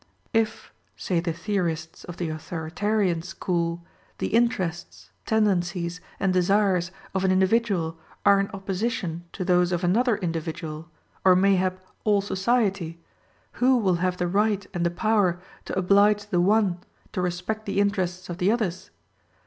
If, say the theorists of the authoritarian school, the interests, tendencies, and desires of an individual are in opposition to those of another individual, or mayhap all society, who will have the right and the power to oblige the one to respect the interests of the others?